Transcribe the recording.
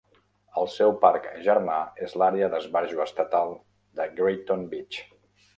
El seu parc germà és l'àrea d'esbarjo estatal de Grayton Beach.